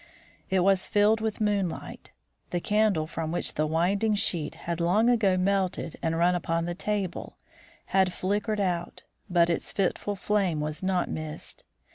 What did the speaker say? It was filled with moonlight. The candle from which the winding sheet had long ago melted and run upon the table, had flickered out, but its fitful flame was not missed.